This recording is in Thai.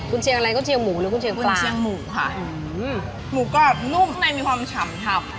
คุณเชียงอะไรก็เชียงหมูหรือกุเชียงกุญเชียงหมูค่ะหมูกรอบนุ่มในมีความฉ่ำถับ